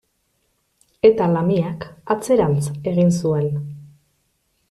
Eta lamiak atzerantz egin zuen.